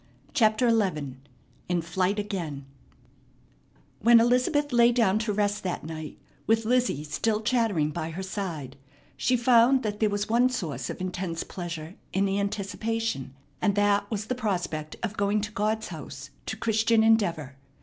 CHAPTER XI IN FLIGHT AGAIN When Elizabeth lay down to rest that night, with Lizzie still chattering by her side, she found that there was one source of intense pleasure in anticipation, and that was the prospect of going to God's house to Christian Endeavor.